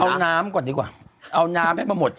เอาน้ำก่อนดีก่ว่าเอาน้ำไม่น่าพอหมด